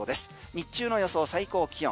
日中の予想最高気温。